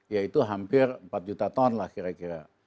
yaitu hampir empat juta ton lah kira kira